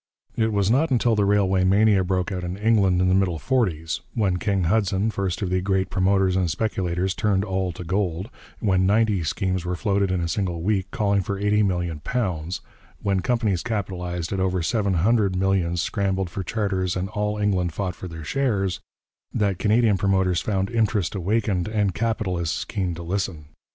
It was not until the railway mania broke out in England in the middle forties when 'King' Hudson, first of the great promoters and speculators, turned all to gold; when ninety schemes were floated in a single week, calling for eighty million pounds; when companies capitalized at over seven hundred millions scrambled for charters and all England fought for their shares that Canadian promoters found interest awakened and capitalists keen to listen.